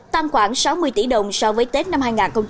tăng khoảng sáu mươi tỷ đồng so với tết năm hai nghìn một mươi chín